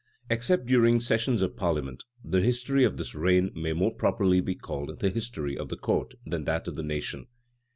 Except during sessions of parliament, the history of this reign may more properly be called the history of the court, than that of the nation.